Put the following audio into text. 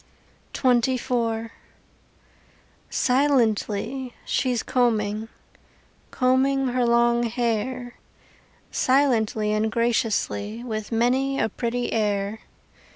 XXIV Silently she's combing, Combing her long hair Silently and graciously, With many a pretty air.